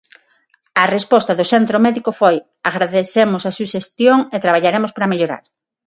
A resposta do centro médico foi agradecemos a suxestión e traballaremos para mellorar.